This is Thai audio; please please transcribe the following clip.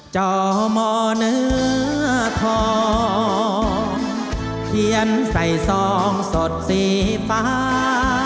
จอมอเนื้อทองเขียนใส่ซองสดสีฟ้า